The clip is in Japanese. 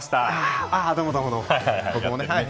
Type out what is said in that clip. どうも、どうも。